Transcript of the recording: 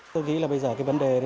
tôi nghĩ là bây giờ cái vấn đề